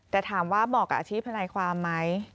แต่ถามว่าเหมาะกับอาชีพทนายความไหม